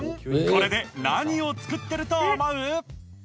これで何を作ってると思う？